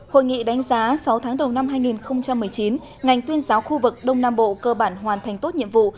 hội nghị đánh giá sáu tháng đầu năm hai nghìn một mươi chín ngành tuyên giáo khu vực đông nam bộ cơ bản hoàn thành tốt nhiệm vụ